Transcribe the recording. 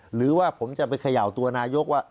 หรือว่าผมจะไปเขย่าตัวนายกว่า